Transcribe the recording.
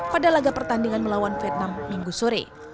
pada laga pertandingan melawan vietnam minggu sore